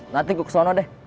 nanti gue kesana deh